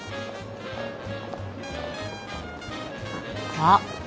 あっ。